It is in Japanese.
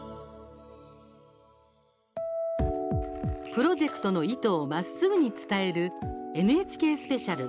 プロジェクトの意図をまっすぐに伝えるＮＨＫスペシャル